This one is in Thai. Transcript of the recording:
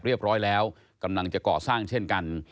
ร้อยแล้วกำลังจะก่อสร้างเช่นกัน